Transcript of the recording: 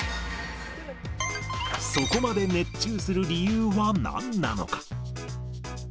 そこまで熱中する理由はなんなのか。